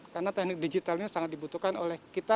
karena teknik digitalnya sangat dibutuhkan oleh kita